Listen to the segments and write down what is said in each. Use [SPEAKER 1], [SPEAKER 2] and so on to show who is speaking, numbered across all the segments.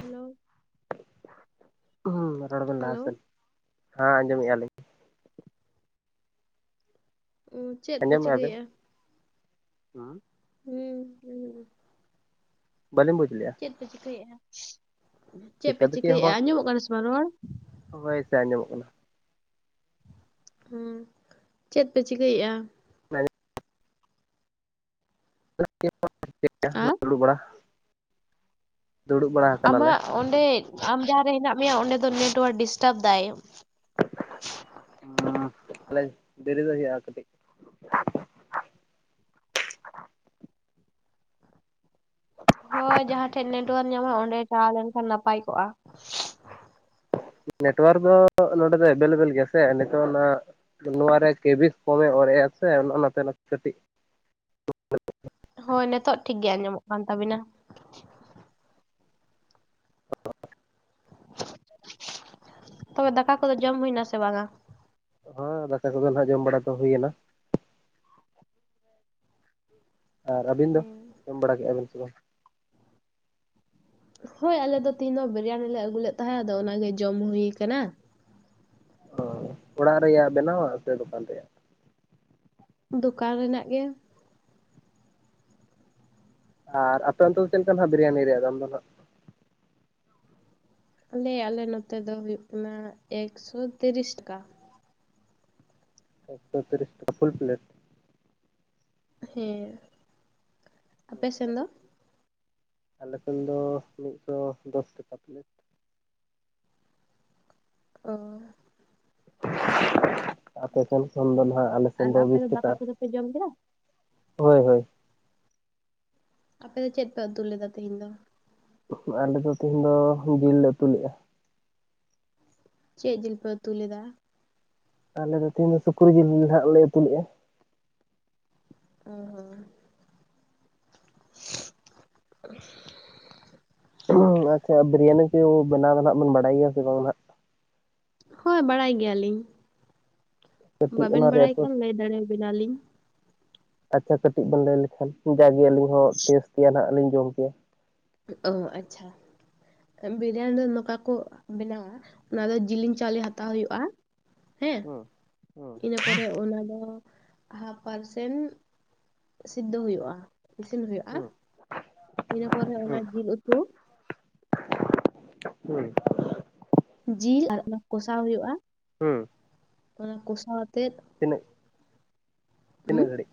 [SPEAKER 1] Hello.
[SPEAKER 2] ᱦᱩᱸ ᱨᱚᱲ ᱵᱮᱱ
[SPEAKER 1] ᱦᱮᱞᱳ
[SPEAKER 2] ᱞᱟᱦᱟᱥᱮᱱ ᱦᱮᱸ ᱟᱸᱡᱚᱢᱮᱫᱼᱟ ᱞᱤᱧ᱾
[SPEAKER 1] ᱪᱮᱫ ᱯᱮ
[SPEAKER 2] ᱟᱸᱡᱚᱢ ᱢᱮᱜᱼᱟ ᱵᱤᱱ,
[SPEAKER 1] ᱪᱤᱠᱟᱹᱭᱮᱫᱼᱟ
[SPEAKER 2] ᱦᱩᱸ
[SPEAKER 1] ᱦᱩᱸ ᱟᱸᱡᱚᱢᱚᱜ ᱠᱟᱱᱟ᱾
[SPEAKER 2] ᱵᱟᱞᱤᱧ ᱵᱩᱡ ᱞᱮᱫᱼᱟ᱾
[SPEAKER 1] ᱪᱮᱫ ᱯᱮ ᱪᱤᱠᱟᱹᱭᱮᱫᱼᱟ, ᱪᱮᱫ
[SPEAKER 2] ᱪᱤᱠᱟᱹ
[SPEAKER 1] ᱯᱮ ᱪᱤᱠᱟᱹᱭᱮᱫᱼᱟ ᱟᱸᱡᱚᱢᱚᱜ ᱠᱟᱱᱟ ᱥᱮ ᱵᱟᱝ ᱨᱚᱲ᱾
[SPEAKER 2] ᱦᱳᱭᱥᱮ ᱟᱸᱡᱚᱢᱚᱜ ᱠᱟᱱᱟ᱾
[SPEAKER 1] ᱦᱩᱸ ᱪᱮᱫ ᱯᱮ ᱪᱤᱠᱟᱹᱭᱮᱫᱼᱟ?
[SPEAKER 2] [unintelligible]
[SPEAKER 1] ᱟᱨ
[SPEAKER 2] [unintelligible] ᱫᱩᱲᱩᱵ ᱵᱟᱲᱟ ᱫᱩᱲᱩᱵ ᱵᱟᱲᱟ ᱠᱟᱱᱟᱞᱮ᱾
[SPEAKER 1] ᱟᱢᱟᱜ ᱚᱸᱰᱮ ᱟᱢ ᱡᱟᱦᱟᱸ ᱨᱮ ᱦᱮᱱᱟᱜ ᱢᱮᱭᱟ ᱚᱸᱰᱮ ᱫᱚ ᱱᱮᱴᱳᱣᱟᱨᱠ ᱰᱤᱥᱴᱟᱵ ᱫᱟᱭ᱾
[SPEAKER 2] ᱦᱩᱸ ᱛᱟᱦᱞᱮ ᱫᱤᱨᱤ ᱫᱚ ᱦᱩᱭᱩᱜᱼᱟ ᱠᱟᱴᱤᱡ
[SPEAKER 1] ᱦᱳᱭ ᱡᱟᱦᱟᱸ ᱴᱷᱮᱡ ᱱᱮᱴᱚᱣᱟᱨᱠ ᱧᱟᱢᱚᱜᱼᱟ ᱚᱸᱰᱮ ᱪᱟᱞᱟᱣ ᱞᱮᱱᱠᱷᱟᱱ ᱱᱟᱯᱟᱭ ᱠᱚᱜᱼᱟ᱾
[SPEAKER 2] ᱱᱮᱴᱣᱟᱨᱠ ᱫᱚ ᱱᱚᱰᱮ ᱫᱚ ᱮᱵᱮᱞᱮᱵᱮᱞ ᱜᱮᱭᱟ ᱥᱮ ᱱᱤᱛᱚᱜ ᱚᱱᱟ ᱱᱚᱣᱟ ᱨᱮ ᱠᱮᱵᱤᱠᱥ ᱠᱚᱢᱮ ᱚᱨᱮᱜᱼᱟ ᱥᱮ ᱚᱱ ᱚᱱᱟᱛᱮ ᱠᱟᱹᱴᱤᱡ
[SPEAKER 1] ᱦᱳᱭ ᱱᱤᱛᱳᱜ ᱴᱷᱤᱠ ᱜᱮ ᱟᱸᱡᱚᱢᱚᱜ ᱠᱟᱱ ᱛᱟᱵᱤᱱᱟ᱾
[SPEAKER 2] [inaudible]
[SPEAKER 1] ᱛᱚᱵᱮ ᱫᱟᱠᱟ ᱠᱚᱫᱚ ᱡᱚᱢ ᱦᱩᱭᱱᱟ ᱥᱮ ᱵᱟᱝᱟ?
[SPEAKER 2] ᱦᱚᱸ ᱫᱟᱠᱟ ᱠᱚᱫᱚ ᱱᱟᱸᱜ ᱡᱚᱢ ᱵᱟᱲᱟ ᱫᱚ ᱦᱩᱭᱮᱱᱟ᱾ ᱟᱨ ᱟᱹᱵᱤᱱ ᱫᱚ ᱡᱚᱢ ᱵᱟᱲᱟ ᱠᱮᱜᱼᱟ ᱵᱤᱱ ᱥᱮ ᱵᱟᱝ?
[SPEAKER 1] ᱦᱳᱭ ᱟᱞᱮ ᱫᱚ ᱛᱮᱦᱮᱧ ᱫᱚ ᱵᱤᱨᱭᱟᱱᱤ ᱞᱮ ᱟᱹᱜᱩ ᱞᱮᱫ ᱛᱟᱦᱮᱸᱫ ᱟᱫᱚ ᱚᱱᱟᱜᱮ ᱡᱚᱢ ᱦᱩᱭ ᱟᱠᱟᱱᱟ᱾
[SPEAKER 2] ᱚᱻ ᱚᱲᱟᱜ ᱨᱮᱭᱟᱜ ᱵᱮᱱᱟᱣᱟᱜ ᱥᱮ ᱫᱚᱠᱟᱱ ᱨᱮᱭᱟᱜ?
[SPEAKER 1] ᱫᱚᱠᱟᱱ ᱨᱮᱱᱟᱜ ᱜᱮ᱾
[SPEAKER 2] ᱟᱨ ᱟᱯᱮ ᱚᱱᱛᱮ ᱫᱚ ᱪᱮᱫ ᱞᱮᱠᱟ ᱵᱤᱨᱤᱭᱟᱱᱤ ᱨᱮᱭᱟᱜ ᱫᱟᱢ ᱫᱚ ᱱᱟᱸᱜ?
[SPEAKER 1] ᱟᱞᱮ ᱟᱞᱮ ᱱᱚᱛᱮ ᱫᱚ ᱦᱩᱭᱩᱜ ᱠᱟᱱᱟ ᱮᱠᱥᱚ ᱛᱤᱨᱤᱥ ᱴᱟᱠᱟ᱾
[SPEAKER 2] ᱮᱠᱥᱚ ᱛᱤᱨᱤᱥ ᱴᱟᱠᱟ ᱯᱷᱩᱞ ᱯᱮᱞᱮᱴ᱾
[SPEAKER 1] ᱦᱮᱸ᱾ ᱟᱯᱮ
[SPEAKER 2] ᱦᱩᱸ
[SPEAKER 1] ᱥᱮᱱ ᱫᱚ
[SPEAKER 2] ᱟᱯᱮᱥᱮᱱ, ᱟᱞᱮ ᱥᱮᱱ ᱫᱚ ᱢᱤᱫᱥᱚ ᱫᱚᱥ ᱴᱟᱠᱟ ᱯᱮᱞᱮᱴ᱾
[SPEAKER 1] ᱚ
[SPEAKER 2] ᱟᱯᱮ ᱥᱮᱱ ᱠᱷᱚᱱ ᱫᱚ ᱱᱟᱜ ᱟᱞᱮ ᱥᱮᱱ
[SPEAKER 1] ᱟᱨ
[SPEAKER 2] ᱫᱚ
[SPEAKER 1] ᱟᱯᱮ
[SPEAKER 2] ᱵᱤᱥ ᱴᱟᱠᱟ
[SPEAKER 1] ᱫᱟᱠᱟ ᱠᱚᱫᱚ ᱯᱮ ᱡᱚᱢ ᱠᱮᱫᱟ?
[SPEAKER 2] ᱦᱳᱭ ᱦᱳᱭ᱾
[SPEAKER 1] ᱟᱯᱮ ᱫᱚ ᱪᱮᱫ ᱯᱮ ᱩᱛᱩ ᱞᱮᱫᱟ ᱛᱮᱦᱮᱧ ᱫᱚ?
[SPEAKER 2] ᱟᱞᱮ ᱫᱚ ᱛᱮᱦᱮᱧ ᱫᱚ ᱡᱤᱞ ᱞᱮ ᱩᱛᱩ ᱞᱮᱜᱼᱟ᱾
[SPEAKER 1] ᱪᱮᱫ ᱡᱤᱞ ᱯᱮ ᱩᱛᱩ ᱞᱮᱫᱟ?
[SPEAKER 2] ᱟᱞᱮ ᱫᱚ ᱛᱮᱦᱮᱧ ᱫᱚ ᱥᱩᱠᱨᱤ ᱡᱤᱞ ᱦᱟᱜ ᱞᱮ ᱩᱛᱩ ᱞᱮᱫᱼᱟ᱾
[SPEAKER 1] ᱚᱻ ᱦᱮᱸ᱾ [inaudible]
[SPEAKER 2] ᱟᱪᱪᱷᱟ ᱵᱤᱨᱤᱭᱟᱱᱤ ᱠᱚ ᱵᱮᱱᱟᱣ ᱫᱚ ᱦᱟᱸᱜ ᱵᱤᱱ ᱵᱟᱰᱟᱭ ᱜᱮᱭᱟ ᱥᱮ ᱵᱟᱝ ᱱᱟᱜ?
[SPEAKER 1] ᱦᱳᱭ ᱵᱟᱲᱟᱭ ᱜᱮᱭᱟᱞᱤᱧ
[SPEAKER 2] ᱠᱟᱹᱴᱤᱡ
[SPEAKER 1] ᱵᱟᱵᱤᱱ
[SPEAKER 2] ᱚᱱᱟ ᱨᱮᱭᱟᱜ
[SPEAKER 1] ᱵᱟᱲᱟᱭ
[SPEAKER 2] ᱯᱨᱚᱥ
[SPEAKER 1] ᱠᱷᱟᱱ ᱞᱟᱹᱭ ᱫᱟᱲᱮᱭᱟᱵᱤᱱᱟᱞᱤᱧ᱾
[SPEAKER 2] ᱟᱪᱪᱷᱟ ᱠᱟᱹᱴᱤᱡ ᱵᱮᱱ ᱞᱟᱹᱭ ᱞᱮᱠᱷᱟᱱ ᱡᱟᱜᱮ ᱟᱹᱞᱤᱧ ᱦᱚᱸ ᱴᱮᱥᱴ ᱠᱮᱭᱟ ᱱᱟᱸᱜ ᱞᱤᱧ ᱡᱚᱢ ᱠᱮᱭᱟ᱾
[SPEAKER 1] ᱚ ᱟᱪᱪᱷᱟ᱾ ᱵᱤᱨᱤᱭᱟᱱᱤ ᱫᱚ ᱱᱚᱝᱠᱟ ᱠᱚ ᱵᱮᱱᱟᱣᱟ ᱚᱱᱟ ᱫᱚ ᱡᱤᱞᱤᱧ ᱪᱟᱣᱞᱮ ᱦᱟᱛᱟᱣ ᱦᱩᱭᱩᱜᱼᱟ᱾ ᱦᱮᱸ
[SPEAKER 2] ᱦᱩᱸ ᱦᱩᱸ
[SPEAKER 1] ᱤᱱᱟᱹ ᱯᱚᱨᱮ ᱚᱱᱟ ᱫᱚ ᱦᱟᱯᱷ ᱯᱟᱨᱥᱮᱱ ᱥᱤᱫᱽᱫᱷᱚ ᱦᱩᱭᱩᱜᱼᱟ ᱤᱥᱤᱱ ᱦᱩᱭᱩᱜᱼᱟ᱾
[SPEAKER 2] ᱦᱩᱸ᱾
[SPEAKER 1] ᱤᱱᱟᱹ ᱯᱚᱨᱮ ᱚᱱᱟ
[SPEAKER 2] ᱦᱩᱸ
[SPEAKER 1] ᱡᱤᱞ ᱩᱛᱩ
[SPEAKER 2] ᱦᱩᱸ᱾
[SPEAKER 1] ᱡᱤᱞ ᱟᱨ ᱚᱱᱟ ᱠᱚᱥᱟᱣ ᱦᱩᱭᱩᱜᱼᱟ,
[SPEAKER 2] ᱦᱩᱸ᱾
[SPEAKER 1] ᱚᱱᱟ ᱠᱚᱥᱟᱣ ᱟᱛᱮᱫ
[SPEAKER 2] ᱛᱤᱱᱟᱹᱜ
[SPEAKER 1] ᱦᱩᱸ
[SPEAKER 2] ᱛᱤᱱᱟᱹᱜ ᱜᱷᱟᱹᱲᱜ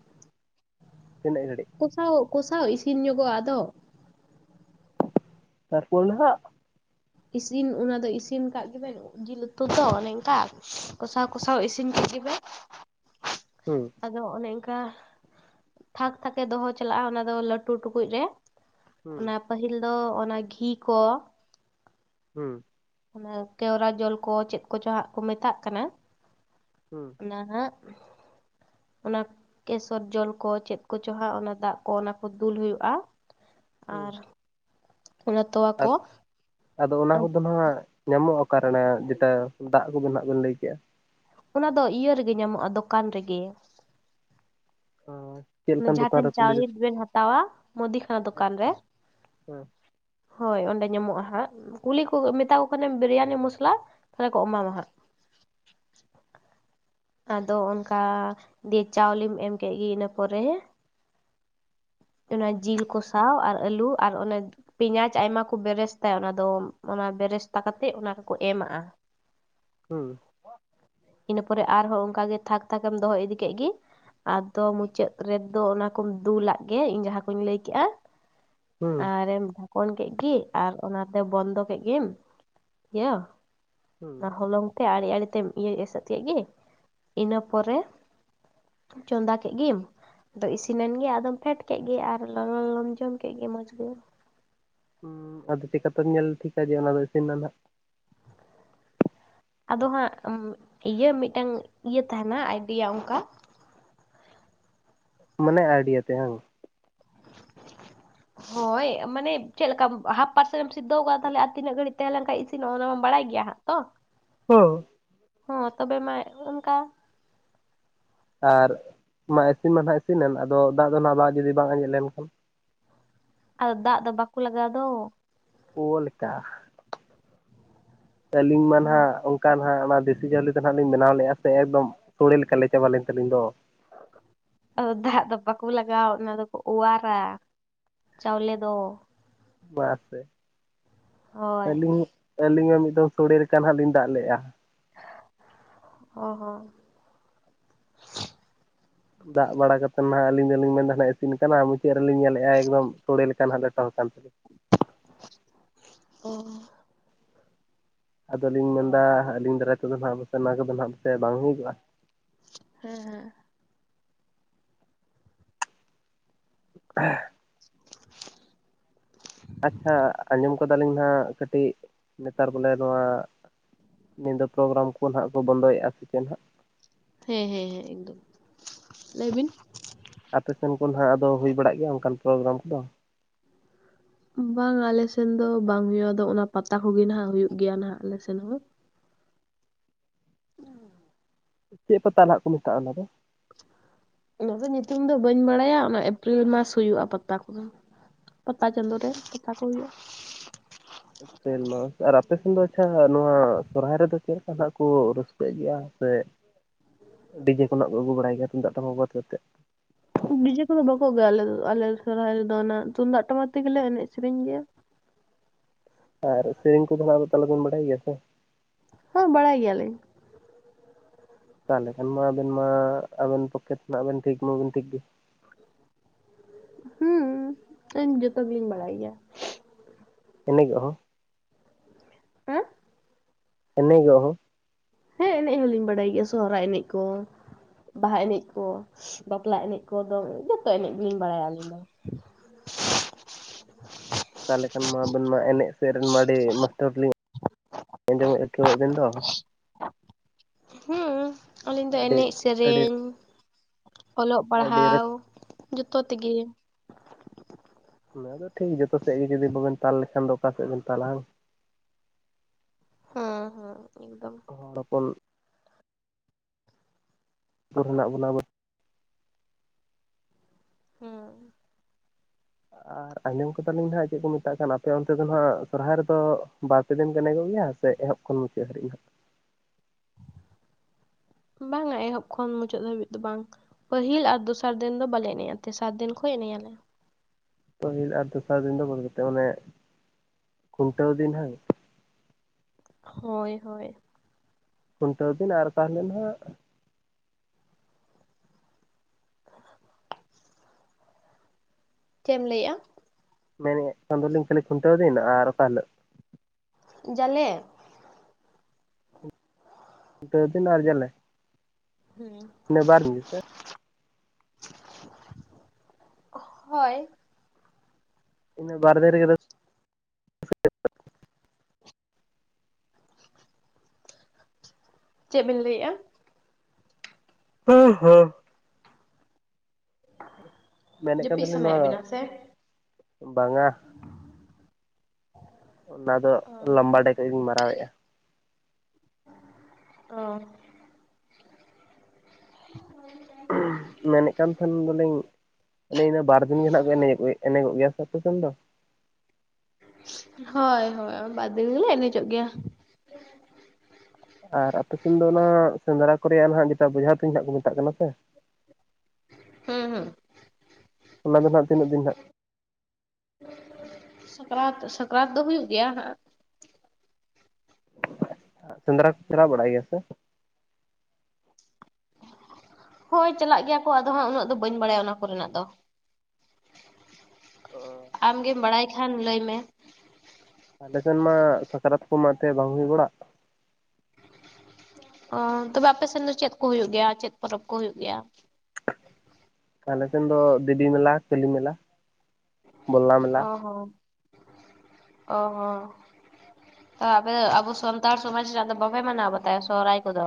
[SPEAKER 2] ᱛᱤᱱᱟᱹ ᱜᱷᱟᱹᱲᱜ?
[SPEAKER 1] ᱠᱩᱥᱟᱣ ᱠᱩᱥᱟᱣ ᱤᱥᱤᱱ ᱧᱚᱜᱚᱜ-ᱟ ᱟᱫᱚ
[SPEAKER 2] ᱛᱟᱨ ᱯᱚᱨᱮ ᱱᱟᱦᱟᱸᱜ
[SPEAKER 1] ᱤᱥᱤᱱ ᱚᱱᱟ ᱫᱚ ᱤᱥᱤᱱ ᱠᱟᱜ ᱜᱮ ᱵᱮᱱ ᱡᱤᱞ ᱩᱛᱩ ᱛᱚ ᱚᱱᱮ ᱚᱱᱠᱟ ᱠᱚᱥᱟᱣ ᱠᱚᱥᱟᱣ ᱤᱥᱤᱱ ᱠᱮᱫ ᱜᱮᱵᱮᱱ,
[SPEAKER 2] ᱦᱩᱸ᱾
[SPEAKER 1] ᱟᱫᱚ ᱚᱱᱮ ᱚᱱᱠᱟ ᱛᱷᱟᱠ ᱛᱷᱟᱠᱮ ᱫᱚᱦᱚ ᱪᱟᱞᱟᱜᱼᱟ ᱚᱱᱟ ᱫᱚ ᱞᱟᱹᱴᱩ ᱴᱩᱠᱩᱡ ᱨᱮ,
[SPEAKER 2] ᱦᱩᱸ
[SPEAKER 1] ᱚᱱᱟ ᱯᱟᱹᱦᱤᱞ ᱫᱚ ᱚᱱᱟ ᱜᱷᱤ ᱠᱚ
[SPEAKER 2] ᱦᱩᱸ᱾
[SPEAKER 1] ᱚᱱᱟ ᱠᱮᱣᱨᱟ ᱡᱚᱞ ᱠᱚ ᱪᱮᱫ ᱠᱚᱪᱚ ᱦᱟᱸᱜ ᱠᱚ ᱢᱮᱛᱟᱜ ᱠᱟᱱᱟ,
[SPEAKER 2] ᱦᱩᱸ᱾
[SPEAKER 1] ᱚᱱᱟ ᱦᱟᱸᱜ ᱚᱱᱟ ᱠᱮᱥᱚᱨ ᱡᱚᱞ ᱠᱚ ᱪᱮᱫ ᱠᱚᱪᱚ ᱦᱟᱸᱜ ᱚᱱᱟ ᱫᱟᱜ ᱠᱚ ᱚᱱᱟᱠᱚ ᱫᱩᱞ ᱦᱩᱭᱩᱜᱼᱟ,
[SPEAKER 2] ᱦᱩᱸ
[SPEAKER 1] ᱟᱨ ᱚᱱᱟ ᱛᱚᱣᱟ
[SPEAKER 2] ᱟᱫᱚ
[SPEAKER 1] ᱠᱚ
[SPEAKER 2] ᱟᱫᱚ ᱚᱱᱟ ᱠᱚᱫᱚ ᱱᱟᱸᱜ ᱧᱟᱢᱚᱜ-ᱟ ᱚᱠᱟᱨᱮ ᱨᱮᱱᱟᱜ ᱡᱮᱴᱟ ᱫᱟᱜ ᱠᱚᱫᱚ ᱱᱟᱜ ᱵᱤᱱ ᱞᱟᱹᱭ ᱠᱮᱜᱼᱟ?
[SPEAKER 1] ᱚᱱᱟ ᱫᱚ ᱤᱭᱟᱹ ᱨᱮᱜᱮ ᱧᱟᱢᱚᱜᱼᱟ ᱫᱚᱠᱟᱱ ᱨᱮᱜᱮ᱾
[SPEAKER 2] ᱚ᱾
[SPEAKER 1] ᱚᱱᱮ ᱡᱟᱦᱟᱸ ᱴᱷᱮᱱ ᱪᱟᱣᱞᱮ ᱠᱚᱵᱮᱱ ᱦᱟᱛᱟᱣᱟ ᱢᱩᱫᱤ ᱠᱷᱟᱱᱟ ᱫᱚᱠᱟᱱ ᱨᱮ, ᱦᱳᱭ ᱚᱸᱰᱮ ᱧᱟᱢᱚᱜᱼᱟ ᱦᱟᱸᱜ ᱠᱩᱞᱤ ᱠᱚ ᱢᱮᱛᱟ ᱠᱚ ᱠᱷᱟᱱᱮᱢ ᱵᱤᱨᱤᱭᱟᱱᱤ ᱢᱚᱥᱞᱟ ᱛᱟᱦᱚᱞᱮ ᱠᱚ ᱮᱢᱟᱢᱟ ᱦᱟᱸᱜ᱾ ᱟᱫᱚ ᱚᱱᱠᱟ ᱫᱤᱭᱮ ᱪᱟᱣᱞᱮᱢ ᱮᱢ ᱠᱮᱜ ᱜᱮ ᱤᱱᱟᱹ ᱯᱚᱨᱮ ᱚᱱᱟ ᱡᱤᱞ ᱠᱚᱥᱟᱣ ᱟᱨ ᱟᱹᱞᱩ ᱟᱨ ᱚᱱᱮ ᱯᱮᱭᱟᱡᱽ ᱟᱭᱢᱟ ᱠᱚ ᱵᱮᱨᱮᱥ ᱛᱟᱭ ᱚᱱᱟ ᱫᱚ ᱚᱱᱟ ᱵᱮᱨᱮᱥᱛᱟ ᱠᱟᱛᱮᱫ ᱚᱱᱟ ᱨᱮᱠᱚ ᱮᱢᱟᱜᱼᱟ᱾
[SPEAKER 2] ᱦᱩᱸ᱾
[SPEAKER 1] ᱤᱱᱟᱹ ᱯᱚᱨᱮ ᱟᱨᱦᱚᱸ ᱚᱱᱠᱟ ᱜᱮ ᱛᱷᱟᱠ ᱛᱷᱟᱠᱮᱢ ᱫᱚᱦᱚ ᱤᱫᱤ ᱠᱮᱫ ᱜᱮ ᱟᱫᱚ ᱢᱩᱪᱟᱹᱫ ᱨᱮ ᱫᱚ ᱚᱱᱟ ᱠᱚᱢ ᱫᱞᱟᱫ ᱜᱮ ᱤᱧ ᱡᱟᱦᱟᱸ ᱠᱩᱧ ᱞᱟᱹᱭ ᱠᱜᱼᱟ
[SPEAKER 2] ᱦᱩᱸ
[SPEAKER 1] ᱟᱨᱮᱢ ᱠᱚᱱ ᱠᱮᱫ ᱜᱮ ᱟᱨ ᱚᱱᱟᱛᱮ ᱵᱚᱱᱫᱚ ᱠᱮᱫ ᱜᱮᱢ ᱤᱭᱟᱹ ᱚᱱᱟ ᱦᱚᱞᱚᱝ ᱛᱮ ᱟᱲᱮ ᱟᱲᱮ ᱛᱮᱢ ᱤᱭᱟᱹ ᱮᱥᱮᱫ ᱠᱮᱫ ᱜᱮ ᱤᱱᱟᱹ ᱯᱚᱨᱮ ᱪᱚᱸᱫᱟ ᱠᱮᱫ ᱜᱮᱢ, ᱟᱫᱚ ᱤᱥᱤᱱᱮᱱ ᱜᱮ ᱟᱫᱚᱢ ᱯᱷᱮᱰ ᱠᱮᱫ ᱜᱮ ᱟᱨ ᱞᱚᱞᱚ ᱞᱚᱞᱚᱢ ᱡᱚᱢ ᱠᱮᱫ ᱜᱮ ᱢᱚᱡᱽ ᱜᱮ᱾
[SPEAKER 2] ᱦᱩᱸ ᱟᱫᱚ ᱪᱮᱠᱟᱛᱮᱢ ᱧᱮᱞ ᱴᱷᱤᱠᱟ ᱡᱮ ᱚᱱᱟ ᱫᱚ ᱤᱥᱤᱱᱮᱱᱟ ᱦᱟᱸᱜ?
[SPEAKER 1] ᱟᱫᱚ ᱦᱟᱸᱜ ᱤᱭᱟᱹ ᱢᱤᱫᱴᱟᱝ ᱤᱭᱟᱹ ᱛᱟᱦᱮᱸᱱᱟ ᱟᱭᱰᱤᱭᱟ ᱚᱝᱠᱟ
[SPEAKER 2] ᱢᱟᱱᱮ ᱟᱭᱰᱤᱭᱟ ᱛᱮ ᱦᱟᱝ?
[SPEAKER 1] ᱦᱳᱭ ᱢᱟᱱᱮ ᱪᱮᱫ ᱞᱮᱠᱟᱢ ᱦᱟᱯ ᱯᱟᱨᱥᱮᱱ ᱮᱢ ᱥᱤᱫᱷᱟᱹᱣ ᱠᱟᱫᱟ ᱛᱟᱦᱚᱞᱮ ᱟᱨ ᱛᱤᱱᱟᱹᱜ ᱜᱷᱟᱹᱲᱤᱡ ᱛᱟᱦᱮᱸ ᱞᱮᱱ ᱠᱷᱟᱡ ᱤᱥᱤᱱ ᱱᱚᱸᱜᱼᱟ ᱚᱱᱟᱢᱟᱢ ᱵᱟᱲᱟᱭ ᱜᱮᱭᱟ ᱦᱟᱸᱜ ᱛᱚ?
[SPEAKER 2] ᱦᱩᱸ᱾
[SPEAKER 1] ᱦᱚᱸ ᱛᱚᱵᱮ ᱢᱟ ᱚᱱᱠᱟ᱾
[SPEAKER 2] ᱟᱨ ᱢᱟ ᱤᱥᱤᱱ ᱢᱟ ᱦᱟᱸᱜ ᱤᱥᱤᱱ ᱮᱱ, ᱟᱫᱚ ᱫᱟᱜ ᱫᱚ ᱱᱟᱜ ᱵᱟᱝ ᱡᱩᱫᱤ ᱵᱟᱝ ᱟᱸᱡᱮᱫ ᱞᱮᱱᱠᱷᱟᱱ᱾
[SPEAKER 1] ᱟᱫᱚ ᱫᱟᱜ ᱫᱚ ᱵᱟᱠᱚ ᱞᱟᱜᱟᱣ ᱫᱚ᱾
[SPEAKER 2] ᱯᱳ ᱞᱮᱠᱟ, ᱟᱹᱞᱤᱧ ᱢᱟ
[SPEAKER 1] ᱦᱚᱸ
[SPEAKER 2] ᱱᱟᱦᱟᱜ ᱚᱱᱠᱟᱱ ᱦᱟᱸᱜ ᱚᱱᱟ ᱫᱮᱥᱤ ᱪᱟᱣᱞᱮ ᱫᱚ ᱦᱟᱸᱜ ᱞᱤᱧ ᱵᱮᱱᱟᱣ ᱞᱮᱫ-ᱟ, ᱥᱮ ᱮᱠᱫᱚᱢ ᱥᱳᱲᱮ ᱞᱮᱠᱟ ᱞᱮ ᱪᱟᱵᱟ ᱞᱮᱱ ᱛᱟᱹᱞᱤᱧ ᱫᱚ᱾
[SPEAKER 1] ᱟᱫᱚ ᱫᱟᱜ ᱫᱚ ᱵᱟᱠᱩ ᱞᱟᱜᱟᱣᱟ, ᱚᱱᱟ ᱫᱚᱠᱚ ᱚᱣᱟᱨᱟ, ᱪᱟᱣᱞᱮ ᱫᱚ᱾
[SPEAKER 2] ᱵᱟᱥᱮ
[SPEAKER 1] ᱦᱳᱭ
[SPEAKER 2] ᱟᱹᱞᱤᱧ ᱟᱹᱞᱤᱧ ᱢᱟ ᱢᱤᱫ ᱫᱷᱟᱹᱶ ᱥᱳᱲᱮ ᱞᱮᱠᱟ ᱦᱟᱸᱜ ᱞᱤᱧ ᱫᱟᱜ ᱞᱮᱜ-ᱟ᱾
[SPEAKER 1] ᱚ ᱦᱚᱸ
[SPEAKER 2] ᱫᱟᱜ ᱵᱟᱲᱟ ᱠᱟᱛᱮᱫ ᱦᱟᱸᱜ ᱟᱹᱞᱤᱧ ᱫᱚᱞᱤᱧ ᱢᱮᱱᱫᱟ ᱦᱟᱱᱮ ᱤᱥᱤᱱ ᱟᱠᱟᱱᱟ, ᱢᱩᱪᱟᱹᱫ ᱨᱮᱞᱤᱧ ᱧᱮᱞ ᱮᱫ-ᱟ ᱮᱠᱫᱚᱢ ᱥᱚᱲᱮ ᱞᱮᱠᱟ ᱱᱟᱜ ᱞᱮᱴᱚ ᱟᱠᱟᱱ ᱛᱟᱞᱤᱧᱟᱹ᱾
[SPEAKER 1] ᱚ
[SPEAKER 2] ᱟᱫᱚ ᱞᱤᱧ ᱢᱮᱱᱫᱟ, ᱟᱹᱞᱤᱧ ᱫᱟᱨᱟᱭ ᱛᱮᱫᱚ ᱦᱟᱸᱜ [unintelligible] ᱵᱟᱝ ᱦᱩᱭᱩᱜᱚᱜ-ᱟ᱾
[SPEAKER 1] ᱦᱮᱸ ᱦᱮᱸ
[SPEAKER 2] [inaudible]
[SPEAKER 1] [inaudible]
[SPEAKER 2] ᱟᱪᱪᱷᱟ, ᱟᱸᱡᱚᱢ ᱟᱠᱟᱫᱟ ᱞᱤᱧ ᱱᱟᱜ ᱠᱟᱹᱴᱤᱡ ᱱᱮᱛᱟᱨ ᱵᱚᱞᱮ ᱱᱚᱣᱟ ᱧᱤᱫᱟᱹ ᱯᱨᱳᱜᱨᱟᱢ ᱠᱚ ᱱᱟᱦᱟᱜ ᱠᱚ ᱵᱚᱱᱫᱚᱭᱮᱫ-ᱟ ᱥᱮ ᱪᱮ ᱱᱟᱦᱟᱜ᱾
[SPEAKER 1] ᱦᱮᱸ ᱦᱮᱸ ᱦᱮᱸ ᱮᱠᱫᱚᱢ, ᱞᱟᱹᱭ ᱵᱤᱱ᱾
[SPEAKER 2] ᱟᱯᱮ ᱥᱮᱱ ᱠᱚᱱ ᱦᱟᱸᱜ ᱟᱫᱚ ᱦᱩᱭ ᱵᱟᱲᱟᱜ ᱜᱮᱭᱟ ᱚᱱᱠᱟᱱ ᱯᱨᱳᱜᱨᱟᱢ ᱠᱚᱫᱚ?
[SPEAKER 1] ᱵᱟᱝ ᱟᱞᱮ ᱥᱮᱱ ᱫᱚ ᱵᱟᱝ ᱦᱩᱭᱩᱜ-ᱟ, ᱟᱫᱚ ᱚᱱᱟ ᱯᱟᱛᱟ ᱠᱚᱜᱮ ᱱᱟᱦᱟᱜ ᱦᱩᱭᱩᱜ ᱜᱮᱭᱟ ᱱᱟᱜ ᱟᱞᱮ ᱥᱮᱱ ᱦᱚᱸ᱾ [unintelligible]
[SPEAKER 2] ᱪᱮᱫ ᱯᱟᱛᱟ ᱦᱟᱸᱜ ᱠᱚ ᱢᱮᱛᱟᱜ-ᱟ ᱚᱱᱟ ᱫᱚ?
[SPEAKER 1] ᱚᱱᱟ ᱫᱚ ᱧᱩᱛᱩᱢ ᱫᱚ ᱵᱟᱹᱧ ᱵᱟᱲᱟᱭᱟ, ᱚᱱᱟ ᱮᱯᱨᱤᱞ ᱢᱟᱥ ᱦᱩᱭᱩᱜ-ᱟ ᱯᱟᱛᱟ ᱠᱚᱫᱚ᱾ ᱯᱟᱛᱟ ᱪᱟᱸᱫᱳ ᱨᱮ ᱯᱟᱛᱟ ᱪᱟᱸᱫᱳ᱾
[SPEAKER 2] ᱮᱯᱨᱤᱞ ᱢᱟᱥ, ᱟᱨ ᱟᱯᱮ ᱥᱮᱱ ᱫᱚ ᱟᱪᱪᱷᱟ ᱱᱚᱣᱟ ᱥᱚᱦᱟᱭ ᱨᱮᱫᱚ ᱪᱮᱫ ᱞᱮᱠᱟ ᱱᱟᱜ ᱠᱚ ᱨᱟᱹᱥᱠᱟᱹᱜ ᱜᱮᱭᱟ ᱥᱮ, ᱰᱤᱡᱮ ᱠᱚ ᱱᱟᱜ ᱠᱚ ᱟᱹᱜᱩ ᱵᱟᱲᱟᱭ ᱜᱮᱭᱟ ᱛᱩᱢᱫᱟᱜ, ᱴᱟᱢᱟᱠ ᱵᱟᱫ ᱠᱟᱛᱮᱫ᱾
[SPEAKER 1] ᱰᱤᱡᱮ ᱠᱚᱫᱚ ᱵᱟᱠᱚ ᱟᱹᱜᱩᱭᱟ ᱟᱞᱮ ᱟᱞᱮ ᱥᱚᱦᱨᱟᱭ ᱨᱮᱫᱚ, ᱚᱱᱟ ᱛᱩᱢᱫᱟᱜ, ᱴᱟᱢᱟᱠ ᱛᱮᱜᱮ ᱞᱮ ᱮᱱᱮᱡ ᱥᱮᱨᱮᱧ ᱜᱮᱭᱟ᱾
[SPEAKER 2] ᱟᱨ ᱥᱮᱨᱮᱧ ᱠᱚᱫᱚ ᱱᱟᱜ ᱛᱟᱦᱚᱞᱮ ᱵᱚᱱ ᱵᱟᱲᱟᱭ ᱜᱮᱭᱟ ᱥᱮ?
[SPEAKER 1] ᱦᱚᱸ, ᱵᱟᱲᱟᱭ ᱜᱮᱭᱟ ᱞᱤᱧ᱾
[SPEAKER 2] ᱛᱟᱦᱚᱞᱮ ᱠᱷᱟᱱ ᱢᱟ ᱟᱵᱮᱱ ᱢᱟ ᱟᱵᱮᱱ ᱯᱚᱠᱮᱴ ᱨᱮᱱᱟᱜ ᱵᱮᱱ ᱴᱷᱤᱠ ᱢᱟᱵᱮᱱ ᱴᱷᱤᱠ ᱜᱮ᱾
[SPEAKER 1] ᱦᱩᱸ, ᱤᱧ ᱡᱚᱛᱚ ᱜᱮᱞᱤᱧ ᱵᱟᱲᱟᱭ ᱜᱮᱭᱟ᱾
[SPEAKER 2] ᱮᱱᱮᱡᱚᱜ ᱦᱚᱸ?
[SPEAKER 1] ᱦᱮᱸ?
[SPEAKER 2] ᱮᱱᱮᱡᱚᱜ ᱦᱚᱸ?
[SPEAKER 1] ᱦᱮᱸ ᱮᱱᱮᱡ ᱦᱚᱸᱞᱤᱧ ᱵᱟᱲᱟᱭ ᱜᱮᱭᱟ, ᱥᱚᱦᱚᱨᱟᱭ ᱮᱱᱮᱡ ᱠᱚ᱾ ᱵᱟᱦᱟ ᱮᱱᱮᱡ ᱠᱚ, ᱵᱟᱯᱞᱟ ᱮᱱᱮᱡ ᱠᱚ ᱫᱚ, ᱡᱚᱛᱚ ᱮᱱᱮᱡ ᱜᱮᱞᱤᱧ ᱵᱟᱲᱟᱭᱟ ᱟᱹᱞᱤᱧ ᱫᱚ᱾
[SPEAKER 2] ᱛᱟᱦᱚᱞᱮ ᱠᱷᱟᱱ ᱢᱟ ᱟᱵᱮᱱ ᱢᱟ ᱮᱱᱮᱡ ᱥᱮᱫ ᱨᱮᱱ ᱢᱟ ᱟᱹᱰᱤ ᱢᱟᱥᱴᱟᱨ ᱞᱤᱧ [unintelligible] ᱟᱸᱡᱚᱢ ᱮᱫ-ᱟ ᱛᱚ ᱟᱹᱵᱮᱱ ᱫᱚ᱾
[SPEAKER 1] ᱦᱩᱸ, ᱟᱹᱞᱤᱧ ᱫᱚ
[SPEAKER 2] ᱟᱹᱰᱤ
[SPEAKER 1] ᱮᱱᱮᱡ,
[SPEAKER 2] ᱟᱹᱰᱤ
[SPEAKER 1] ᱥᱮᱨᱮᱧ, ᱚᱞᱚᱜ,
[SPEAKER 2] ᱟᱹᱰᱤ
[SPEAKER 1] ᱯᱟᱲᱦᱟᱣ
[SPEAKER 2] ᱨᱟᱹᱥ
[SPEAKER 1] ᱡᱚᱛᱚ ᱛᱮᱜᱮ᱾
[SPEAKER 2] ᱚᱱᱟ ᱟᱫᱚ ᱴᱷᱤᱠ, ᱡᱚᱛᱚ ᱥᱮᱫ ᱜᱮ ᱡᱩᱫᱤ ᱵᱟᱵᱮᱱ ᱛᱟᱞ ᱞᱮᱠᱷᱟᱱ ᱫᱚ ᱚᱠᱟ ᱥᱮᱫ ᱵᱮᱱ ᱛᱟᱞᱟ ᱦᱮᱸᱥᱮ᱾
[SPEAKER 1] ᱦᱮᱸ ᱦᱮᱸ ᱮᱠᱫᱚᱢ᱾
[SPEAKER 2] [unintelligible] ᱥᱩᱨ ᱦᱮᱱᱟᱜ ᱵᱚᱱᱟ
[SPEAKER 1] ᱦᱩᱸ,
[SPEAKER 2] ᱟᱨ ᱟᱸᱡᱚᱢ ᱠᱟᱛᱟᱞᱤᱧ ᱱᱟᱦᱟᱜ ᱪᱮᱫ ᱠᱚ ᱢᱮᱛᱟᱜ ᱠᱟᱱ ᱟᱯᱮ ᱚᱱᱛᱮ ᱫᱚ ᱱᱟᱦᱟᱜ ᱥᱚᱨᱦᱟᱭ ᱨᱮᱫᱚ ᱵᱟᱨᱯᱮ ᱫᱤᱱ ᱯᱮ ᱮᱱᱮᱡ ᱜᱮᱭᱟ ᱥᱮ ᱮᱦᱚᱵ ᱠᱷᱚᱱ ᱢᱩᱪᱟᱫ ᱦᱟᱹᱨᱤᱡ ᱦᱟᱜ
[SPEAKER 1] ᱵᱟᱝᱟ, ᱮᱦᱚᱵ ᱠᱷᱚᱱ ᱢᱩᱪᱟᱹᱫ ᱫᱷᱟᱹᱵᱤᱡ ᱫᱚ ᱵᱟᱝ᱾ ᱯᱟᱹᱦᱤᱞ ᱟᱨ ᱫᱚᱥᱟᱨ ᱫᱤᱱ ᱫᱚ ᱵᱟᱞᱮ ᱮᱱᱮᱡ ᱟ, ᱛᱮᱥᱟᱨ ᱫᱤᱱ ᱠᱷᱚᱱᱚᱡ ᱮᱱᱮᱡ ᱟᱞᱮ᱾
[SPEAKER 2] ᱯᱟᱹᱦᱤᱞ ᱟᱨ ᱫᱚᱥᱟᱨ ᱫᱤᱱ ᱫᱚ ᱵᱟᱜᱤ ᱠᱟᱛᱮ ᱢᱟᱱᱮ ᱠᱷᱩᱱᱴᱟᱹᱣ ᱫᱤᱱ ᱦᱟᱸᱝ?
[SPEAKER 1] ᱦᱳᱭ ᱦᱳᱭ
[SPEAKER 2] ᱠᱷᱩᱱᱴᱟᱹᱣ ᱫᱤᱱ ᱟᱨ ᱛᱟᱦᱚᱞᱮ ᱱᱟᱦᱟᱜ
[SPEAKER 1] ᱪᱮᱫ ᱮᱢ ᱞᱟᱹᱭᱮᱜ-ᱟ?
[SPEAKER 2] ᱢᱮᱱᱮᱜ ᱠᱟᱱ ᱫᱚᱞᱤᱧ ᱠᱷᱟᱹᱞᱤ ᱠᱷᱩᱱᱴᱟᱹᱣ ᱫᱤᱱ ᱟᱨ ᱚᱠᱟ ᱦᱤᱞᱳᱜ?
[SPEAKER 1] ᱡᱟᱞᱮ
[SPEAKER 2] ᱠᱷᱩᱱᱴᱟᱹᱣ ᱫᱤᱱ ᱟᱨ ᱡᱟᱞᱮ
[SPEAKER 1] ᱦᱩᱸ
[SPEAKER 2] ᱤᱱᱟᱹ ᱵᱟᱨ ᱫᱤᱱ ᱜᱮᱸᱥᱮ?
[SPEAKER 1] ᱦᱳᱭ
[SPEAKER 2] ᱤᱱᱟᱹ ᱵᱟᱨ ᱫᱤᱱ ᱨᱮᱜᱮ ᱨᱟᱥ
[SPEAKER 1] ᱪᱮᱫ ᱵᱤᱱ ᱞᱟᱹᱭᱮᱜ-ᱟ?
[SPEAKER 2] [unintelligible] ᱢᱮᱱᱮᱫ ᱠᱟᱱ
[SPEAKER 1] ᱡᱟᱹᱯᱤᱫ
[SPEAKER 2] ᱛᱟᱦᱮᱱᱟᱞᱤᱧ
[SPEAKER 1] ᱥᱟᱱᱟᱭᱮᱫ
[SPEAKER 2] ᱱᱚᱣᱟ
[SPEAKER 1] ᱵᱤᱱᱟ ᱥᱮ?
[SPEAKER 2] ᱵᱟᱝᱟ ᱚᱱᱟ ᱫᱚ
[SPEAKER 1] ᱚ
[SPEAKER 2] ᱞᱚᱢᱵᱟ ᱰᱮ ᱠᱷᱚᱱᱟᱜ ᱜᱤᱧ ᱢᱟᱨᱟᱣᱮᱜ-ᱟ
[SPEAKER 1] ᱚ [unintelligible]
[SPEAKER 2] ᱢᱮᱱᱮᱫ ᱠᱷᱟᱱ ᱫᱚᱞᱤᱧ ᱤᱱᱟᱹ ᱤᱱᱟᱹ ᱵᱟᱨ ᱫᱤᱱ ᱜᱮ ᱱᱟᱦᱟᱜ ᱵᱤᱱ ᱮᱱᱮᱡᱚᱜ ᱜᱮᱭᱟ ᱥᱮ ᱟᱯᱮ ᱥᱮᱱ ᱫᱚ?
[SPEAKER 1] ᱦᱳᱭ ᱦᱳᱭ ᱵᱟᱨ ᱫᱤᱱ ᱜᱮᱞᱤᱧ ᱮᱱᱮᱡᱚᱜ ᱜᱮᱭᱟ᱾
[SPEAKER 2] ᱟᱨ ᱟᱯᱮ ᱥᱮᱱ ᱫᱚ ᱚᱱᱟ ᱥᱮᱸᱫᱽᱨᱟ ᱠᱚᱨᱮᱭᱟᱜ ᱪᱮᱫᱟᱜ ᱡᱟᱦᱟ ᱵᱚᱡᱷᱟ ᱛᱩᱧ ᱨᱮᱱᱟᱜ ᱠᱚ ᱢᱮᱛᱟᱜ ᱠᱟᱱᱟ ᱥᱮ
[SPEAKER 1] ᱦᱩᱸ ᱦᱩᱸ
[SPEAKER 2] ᱚᱱᱟ ᱫᱚ ᱱᱟᱜ ᱛᱤᱱᱟᱹᱜ ᱫᱤᱱ ᱱᱟᱜ?
[SPEAKER 1] ᱥᱟᱠᱨᱟᱛ ᱥᱟᱠᱨᱟᱛ ᱫᱚ ᱦᱩᱭᱩᱜ ᱜᱮᱭᱟ ᱦᱟᱸᱜ
[SPEAKER 2] ᱥᱮᱸᱫᱽᱨᱟ ᱠᱚ ᱪᱟᱞᱟᱜ ᱵᱟᱲᱟᱜ ᱜᱮᱭᱟ ᱥᱮ?
[SPEAKER 1] ᱦᱳᱭ ᱪᱟᱞᱟᱜ ᱜᱮᱭᱟ ᱠᱚ ᱟᱫᱚ ᱦᱟᱸᱜ ᱩᱱᱟᱹᱜ ᱫᱚ ᱵᱟᱹᱧ ᱵᱟᱲᱟᱭᱟ ᱚᱱᱟ ᱠᱚᱨᱮᱱᱟᱜ ᱫᱚ ᱟᱢᱜᱮᱢ ᱵᱟᱲᱟᱭ ᱠᱷᱟᱱ ᱞᱟᱹᱭ ᱢᱮ?
[SPEAKER 2] ᱟᱞᱮ ᱥᱮᱱ ᱢᱟ ᱥᱟᱠᱨᱟᱛ ᱠᱚ ᱢᱟᱛᱮ ᱵᱟᱝ ᱦᱩᱭ ᱵᱟᱲᱟᱜ᱾
[SPEAKER 1] ᱚ ᱛᱚᱵᱮ ᱟᱯᱮ ᱥᱮᱱ ᱫᱚ ᱪᱮᱫ ᱠᱚ ᱦᱩᱭᱩᱜ ᱜᱮᱭᱟ ᱪᱮᱫ ᱯᱚᱨᱚᱵᱽ ᱠᱚ ᱦᱩᱭᱩᱜ ᱜᱮᱭᱟ?
[SPEAKER 2] ᱟᱞᱮ ᱥᱮᱱ ᱫᱚ ᱫᱮᱵᱤ ᱢᱮᱞᱟ ᱠᱟᱞᱤ ᱢᱮᱞᱟ ᱵᱚᱞᱞᱟ ᱢᱮᱞᱟ
[SPEAKER 1] ᱚ ᱦᱚᱸ ᱚ ᱦᱚᱸ ᱛᱟ ᱟᱯᱮ ᱫᱚ ᱟᱵᱚ ᱥᱟᱱᱛᱟᱲ ᱥᱚᱢᱟᱡᱽ ᱨᱮᱭᱟᱜ ᱫᱚ ᱵᱟᱯᱮ ᱢᱟᱱᱟᱣ ᱵᱟᱛᱟᱭᱟ ᱥᱚᱨᱦᱟᱭ ᱠᱚᱫᱚ?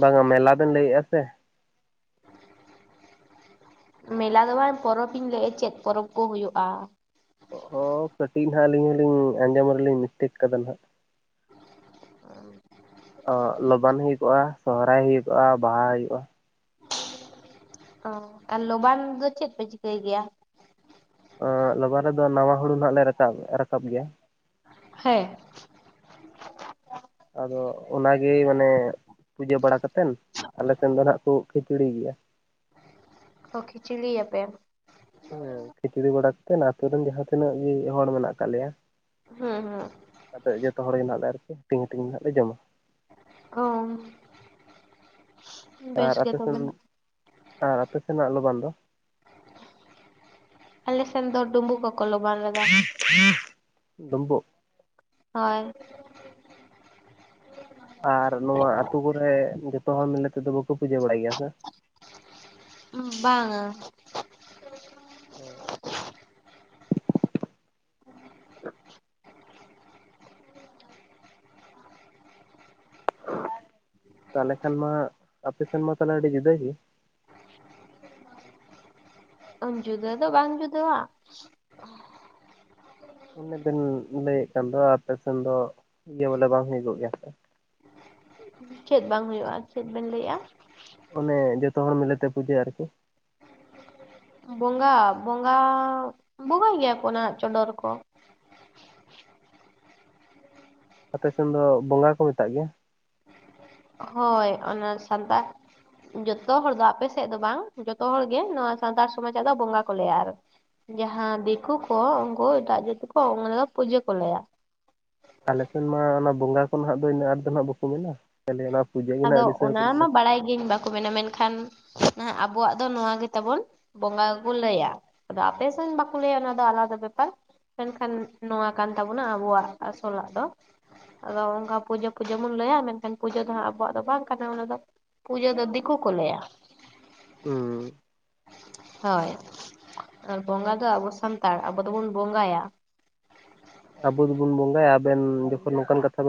[SPEAKER 2] ᱵᱟᱝᱟ ᱢᱮᱞᱟ ᱵᱮᱱ ᱞᱟᱹᱭᱮᱜ-ᱟ ᱥᱮ
[SPEAKER 1] ᱢᱮᱞᱟ ᱫᱚ ᱵᱟᱝ ᱯᱚᱨᱚᱵᱽ ᱤᱧ ᱞᱟᱹᱭᱮᱜ-ᱟ᱾ ᱪᱮᱫ ᱯᱚᱨᱚᱵᱽ ᱠᱚ ᱦᱳᱭᱳᱜ-ᱟ?
[SPEAKER 2] ᱚ ᱠᱟᱹᱴᱤᱡ ᱱᱟᱦᱟᱜ ᱟᱹᱞᱤᱧ ᱦᱚᱸ ᱞᱤᱧ ᱟᱸᱡᱚᱢ ᱨᱮᱞᱤᱧ ᱢᱤᱥᱴᱮᱠ ᱠᱟᱫᱟ ᱱᱟᱦᱟᱜ
[SPEAKER 1] [unintelligible]
[SPEAKER 2] ᱚ [unintelligible] ᱦᱩᱭ ᱠᱚᱣᱟ ᱥᱚᱦᱚᱨᱟᱭ ᱦᱩᱭ ᱠᱚᱣᱟ ᱵᱟᱦᱟ ᱦᱩᱭᱩᱜ-ᱟ
[SPEAKER 1] ᱚ ᱟᱨ ᱞᱚᱵᱟᱱ ᱫᱚ ᱪᱮᱫ ᱯᱮ ᱪᱤᱠᱟᱹᱭ ᱜᱮᱭᱟ?
[SPEAKER 2] ᱚ ᱞᱚᱵᱟᱱ ᱨᱮᱫᱚ ᱱᱟᱶᱟ ᱦᱩᱲᱩ ᱦᱟᱜ ᱞᱮ ᱨᱟᱠᱟᱵ ᱨᱟᱠᱟᱵ ᱜᱮᱭᱟ
[SPEAKER 1] ᱦᱮᱸ
[SPEAKER 2] ᱟᱫᱚ ᱚᱱᱟᱜᱮ ᱢᱟᱱᱮ ᱯᱩᱡᱟᱹ ᱵᱟᱲᱟ ᱠᱟᱛᱮᱱ ᱟᱞᱮ ᱥᱮᱱ ᱫᱚ ᱱᱟᱦᱟᱜ ᱠᱚ ᱠᱷᱤᱪᱲᱤ ᱜᱮᱭᱟ
[SPEAKER 1] ᱚ ᱠᱷᱤᱪᱲᱤᱭᱟ ᱯᱮ
[SPEAKER 2] ᱦᱮᱸ ᱠᱷᱤᱪᱲᱤ ᱵᱟᱲᱟ ᱠᱟᱛᱮᱱ ᱟᱹᱛᱩ ᱨᱮᱱ ᱡᱟᱦᱟᱸ ᱛᱤᱱᱟᱹᱜ ᱜᱮ ᱦᱚᱲ ᱢᱮᱱᱟᱜ ᱟᱠᱟᱫ ᱞᱮᱭᱟ᱾
[SPEAKER 1] ᱦᱮᱸ ᱦᱮᱸ᱾
[SPEAKER 2] ᱟᱫᱚ ᱡᱚᱛᱚ ᱦᱚᱲ ᱜᱮ ᱦᱮᱸᱱᱟᱜ ᱞᱮ ᱟᱹᱨᱠᱤ ᱦᱟᱹᱴᱤᱧ ᱦᱟᱹᱴᱤᱧ ᱱᱟᱜ ᱞᱮ ᱡᱚᱢᱟ᱾
[SPEAKER 1] ᱩᱢ᱾
[SPEAKER 2] ᱟᱨ ᱟᱯᱮ ᱥᱮᱱ [inaudible] ᱟᱨ ᱟᱯᱮ ᱥᱮᱱᱟᱜ ᱫᱚ ᱵᱟᱸᱫ ᱫᱚ᱾
[SPEAKER 1] [inaudible] ᱟᱞᱮ ᱥᱮᱱ ᱫᱚ ᱰᱩᱸᱵᱩᱠ ᱠᱚ ᱠᱚ ᱞᱚᱵᱟᱱ ᱨᱮᱫ
[SPEAKER 2] [inaudible] ᱰᱚᱢᱵᱚᱠ᱾
[SPEAKER 1] ᱦᱳᱭ,
[SPEAKER 2] ᱟᱨ ᱱᱚᱣᱟ ᱟᱹᱛᱩ ᱠᱚᱨᱮ ᱡᱚᱛᱚ ᱦᱚᱲ ᱢᱤᱞᱮ ᱛᱮᱫᱚ ᱵᱟᱠᱚ ᱯᱩᱡᱟᱹ ᱵᱟᱲᱟᱭ ᱜᱮᱭᱟ ᱥᱮ᱾
[SPEAKER 1] ᱵᱟᱝ ᱟ᱾
[SPEAKER 2] ᱚ᱾
[SPEAKER 1] [inaudible]
[SPEAKER 2] ᱛᱟᱦᱚᱸᱞᱮ ᱠᱷᱟᱱ ᱢᱟ, ᱟᱯᱮ ᱥᱮᱱ ᱢᱟ ᱛᱟᱦᱚᱸᱞᱮ ᱟᱹᱰᱤ ᱡᱩᱫᱟᱹ ᱜᱮ,
[SPEAKER 1] ᱡᱩᱫᱟᱹ ᱫᱚ ᱵᱟᱝ ᱡᱩᱫᱟᱹᱣᱟ, [inaudible]
[SPEAKER 2] ᱚᱱᱮ ᱵᱤᱱ ᱞᱟᱹᱭᱮᱫ ᱠᱟᱱ ᱫᱚ ᱟᱯᱮ ᱥᱮᱱ ᱫᱚ ᱤᱭᱟᱹ ᱵᱚᱞᱮ ᱵᱟᱝ ᱦᱩᱭᱩᱜᱚᱜ ᱜᱮᱭᱟ
[SPEAKER 1] ᱪᱮᱫ ᱵᱟᱝ ᱦᱩᱭᱩᱜ-ᱟ᱾ ᱪᱮᱫ ᱵᱮᱱ ᱞᱟᱹᱭᱮᱫ-ᱟ?
[SPEAKER 2] ᱚᱱᱮ ᱡᱚᱛᱚ ᱦᱚᱲ ᱢᱤᱞᱮᱛᱮ ᱯᱩᱡᱟᱹ ᱟᱹᱨᱠᱤ᱾
[SPEAKER 1] ᱵᱚᱸᱜᱟ ᱵᱚᱸᱜᱟᱻ ᱵᱚᱸᱜᱟᱭ ᱜᱮᱭᱟ ᱠᱚ ᱚᱱᱟ ᱪᱚᱰᱚᱨ ᱠᱚ,
[SPEAKER 2] ᱟᱯᱮ ᱥᱮᱱ ᱫᱚ ᱵᱚᱸᱜᱟ ᱠᱚ ᱢᱮᱛᱟᱜ ᱜᱮᱭᱟ᱾
[SPEAKER 1] ᱦᱳᱭ ᱚᱱᱟ ᱥᱟᱱᱛᱟᱲ, ᱡᱚᱛᱚ ᱦᱚᱲ ᱫᱚ ᱟᱯᱮ ᱥᱮᱫ ᱫᱚ ᱵᱟᱝ, ᱡᱚᱛᱚ ᱦᱚᱲᱜᱮ ᱱᱚᱣᱟ ᱥᱟᱱᱛᱟᱲ ᱥᱚᱢᱟᱡᱽ ᱟᱜ ᱫᱚ ᱵᱚᱸᱜᱟ ᱠᱚ ᱞᱟᱹᱭᱟ ᱟᱨ ᱡᱟᱦᱟᱸ ᱫᱤᱠᱩ ᱠᱚ᱾ ᱩᱱᱠᱩ ᱮᱴᱟᱜ ᱡᱟᱹᱛᱤ ᱠᱚ ᱩᱱᱠᱩ ᱫᱚ ᱯᱩᱡᱟᱹ ᱠᱚ ᱞᱟᱹᱭᱟ᱾
[SPEAKER 2] ᱟᱞᱮᱥᱮᱱ ᱢᱟ ᱚᱱᱟ ᱵᱚᱸᱜᱟ ᱠᱚ ᱱᱟᱜ ᱫᱚ ᱤᱱᱟᱹᱜ ᱟᱴ ᱫᱚ ᱱᱟᱜ ᱵᱟᱠᱚ ᱢᱮᱱᱟ᱾ ᱠᱷᱟᱹᱞᱤ ᱚᱱᱟ ᱯᱩᱡᱟᱹ᱾ ᱜᱮ ᱱᱟᱦᱟᱜ
[SPEAKER 1] ᱟᱫᱚ
[SPEAKER 2] ᱟᱹᱰᱤ ᱥᱟᱹᱨ
[SPEAKER 1] ᱚᱱᱟ
[SPEAKER 2] ᱠᱚ
[SPEAKER 1] ᱢᱟ
[SPEAKER 2] ᱢᱮᱱᱟ
[SPEAKER 1] ᱵᱟᱲᱟᱭ ᱜᱤᱭᱟᱹᱧ ᱵᱟᱠᱚ ᱢᱮᱱᱟ ᱢᱮᱱᱠᱷᱟᱱ, ᱱᱟᱜ ᱟᱵᱚᱣᱟᱜ ᱫᱚ ᱱᱚᱣᱟ ᱜᱮ ᱛᱟᱵᱚᱱ᱾ ᱵᱚᱸᱜᱟ ᱠᱚ ᱞᱟᱹᱭᱟ, ᱟᱫᱚ ᱟᱯᱮᱥᱮᱱ ᱵᱟᱠᱚ ᱞᱟᱹᱭᱟ ᱚᱱᱟ ᱫᱚ ᱟᱞᱟᱫᱟ ᱵᱮᱯᱟᱨ᱾ ᱢᱮᱱᱠᱷᱟᱱ ᱱᱚᱣᱟ ᱠᱟᱱ ᱛᱟᱵᱚᱱᱟ ᱟᱵᱚᱣᱟᱜ ᱟᱥᱚᱞᱟᱜ ᱫᱚ᱾ ᱟᱫᱚ ᱚᱱᱠᱟ ᱯᱩᱡᱟᱹ ᱯᱩᱡᱟᱹ ᱵᱚᱱ ᱞᱟᱹᱭᱟ ᱢᱮᱱᱠᱷᱟᱱ ᱯᱩᱡᱟᱹ ᱫᱚ ᱦᱟᱜ ᱟᱵᱚᱣᱟᱜ, ᱫᱚ ᱵᱟᱝ ᱠᱟᱱᱟ ᱚᱱᱟ ᱫᱚ᱾ ᱯᱩᱡᱟᱹ ᱫᱚ ᱫᱤᱠᱩ ᱠᱚ ᱞᱟᱹᱭᱟ᱾
[SPEAKER 2] ᱦᱩᱸ᱾
[SPEAKER 1] ᱦᱳᱭ, ᱟᱨ ᱵᱚᱸᱜᱟ ᱫᱚ ᱟᱵᱚ ᱥᱟᱱᱛᱟᱲ ᱟᱵᱚ ᱫᱚᱵᱚᱱ ᱵᱚᱸᱜᱟᱭᱟ᱾
[SPEAKER 2] ᱟᱵᱚ ᱫᱚᱵᱚᱱ ᱵᱚᱸᱜᱟᱭᱟ ᱟᱵᱮᱱ ᱡᱚᱠᱷᱚᱱ ᱱᱚᱝᱠᱟᱱ ᱠᱟᱛᱷᱟ ᱵᱮᱱ,